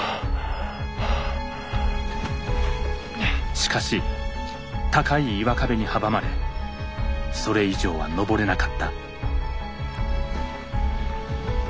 しかし高い岩壁に阻まれそれ以上は登れなかった。